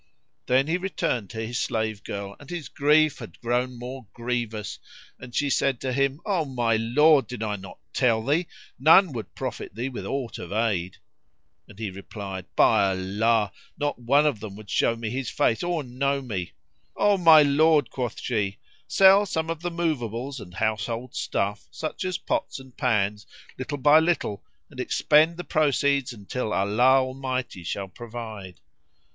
Then he returned to his slave girl and his grief had grown more grievous and she said to him, "O my lord, did I not tell thee, none would profit thee with aught of aid?" And he replied, "By Allah, not one of them would show me his face or know me!" "O my lord," quoth she, "sell some of the moveables and household stuff, such as pots and pans, little by little; and expend the proceeds until Allah Almighty shall provide."